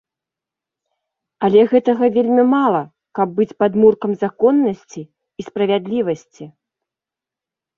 Але гэтага вельмі мала, каб быць падмуркам законнасці і справядлівасці.